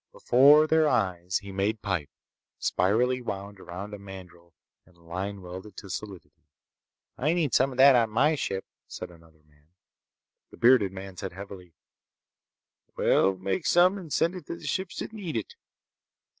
Before their eyes he made pipe—spirally wound around a mandril and line welded to solidity. "I need some of that on my ship," said another man. The bearded man said heavily: "We'll make some and send it to the ships that need it."